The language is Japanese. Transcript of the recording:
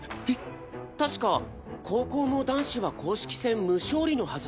確か高校も男子は公式戦無勝利のはずです。